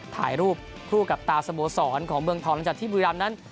ถ่ายรูปคู่กับตาสโมสรของเมืองทองหลังจากที่บุรีรำนั้น